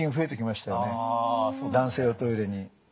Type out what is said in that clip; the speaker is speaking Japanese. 男性用トイレに。